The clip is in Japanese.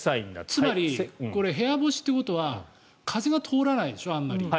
つまりこれ部屋干しということは風が通らないでしょ、あんまり。